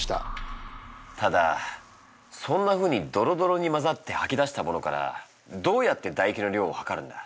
ただそんなふうにドロドロにまざってはき出したものからどうやってだ液の量を測るんだ？